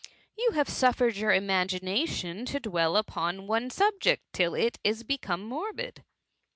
^^ You have suffered your imagination to dwell upon one subject, till it is become morbid.